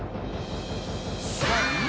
「３！